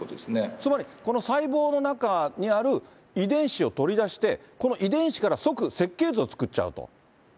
つまり、この細胞の中にある遺伝子を取り出して、この遺伝子から即設計図を作っちゃうと？